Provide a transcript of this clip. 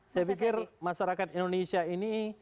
saya pikir masyarakat indonesia ini